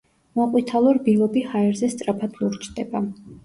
მოყვითალო რბილობი ჰაერზე სწრაფად ლურჯდება.